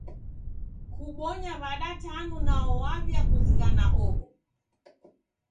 Kubonya w'ada tanu nao waw'ekuzinghana oho?